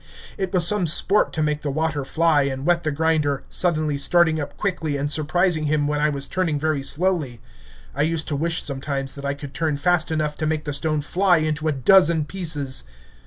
It was some sport to make the water fly and wet the grinder, suddenly starting up quickly and surprising him when I was turning very slowly. I used to wish sometimes that I could turn fast enough to make the stone fly into a dozen pieces.